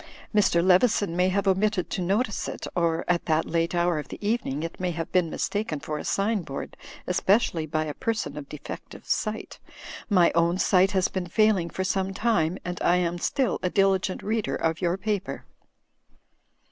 "Mr. Leveson may have omitted to notice it, or, at that late hour of the evening, it may have been mistaken for a sign board, especially by a person of defective sight. My own sight has been failing for some time; but I am still a diligent reader of your paper."